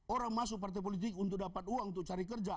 orang masuk partai politik untuk dapat uang untuk cari kerja